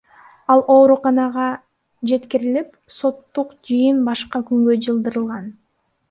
Ал ооруканага жеткирилип, соттук жыйын башка күнгө жылдырылган.